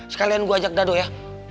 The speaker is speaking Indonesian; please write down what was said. sekalian gue ajak dado ya